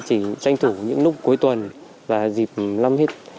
chỉ tranh thủ những lúc cuối tuần và dịp năm hết